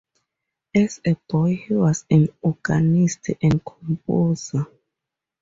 As a boy he was an organist and composer.